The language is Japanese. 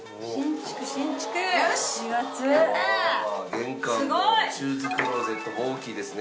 玄関もシューズクローゼットも大きいですね。